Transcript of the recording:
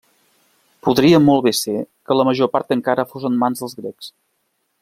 Podria molt bé ser que la major part encara fos en mans dels grecs.